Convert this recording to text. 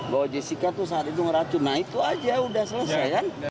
bahwa jessica tuh saat itu ngeracun nah itu aja udah selesai kan